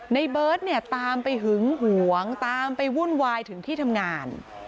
ในเบิร์ตเนี่ยตามไปหึงหวงตามไปวุ่นวายถึงที่ทำงาน